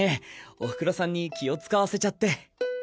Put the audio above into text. お袋さんに気を遣わせちゃって。